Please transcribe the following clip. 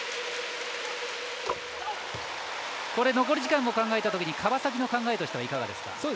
残り時間も考えたときに川崎の考えとしてはいかがですか？